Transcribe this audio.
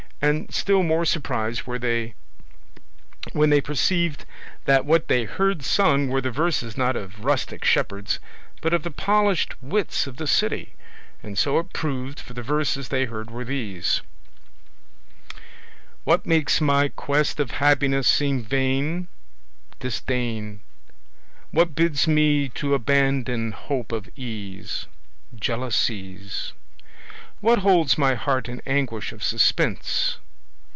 And still more surprised were they when they perceived that what they heard sung were the verses not of rustic shepherds, but of the polished wits of the city; and so it proved, for the verses they heard were these: What makes my quest of happiness seem vain? Disdain. What bids me to abandon hope of ease? Jealousies. What holds my heart in anguish of suspense?